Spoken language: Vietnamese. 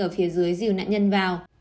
ở phía dưới dìu nạn nhân vào